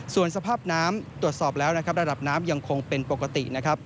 ส่วนสภาพน้ำตรวจสอบแล้วระดับน้ำยังคงเป็นปกติ